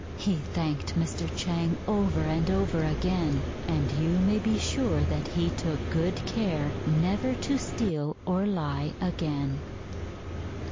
He thanked Mr. Chang over and over again; and you may be sure that he took good care never to steal or lie again.